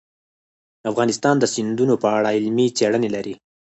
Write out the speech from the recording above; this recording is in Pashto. افغانستان د سیندونه په اړه علمي څېړنې لري.